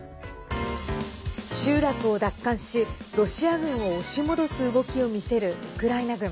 集落を奪還しロシア軍を押し戻す動きを見せるウクライナ軍。